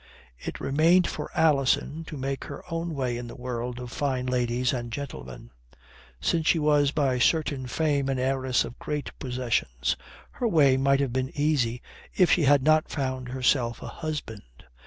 It remained for Alison to make her own way in the world of fine ladies and gentlemen. Since she was by certain fame an heiress of great possessions, her way might have been easy if she had not found herself a husband.